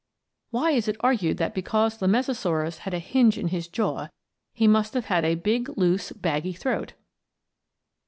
Why it is argued that because the Mesosaurus had a hinge in his jaw he must have had a big, loose, baggy throat.